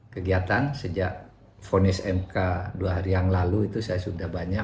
kegiatan sejak vonis mk dua hari yang lalu itu saya sudah banyak